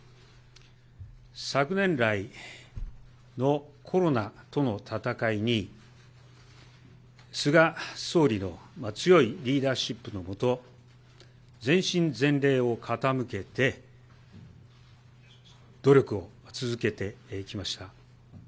昨年来のコロナとの闘いに、菅総理の強いリーダーシップの下、全身全霊を傾けて、努力を続けてきました。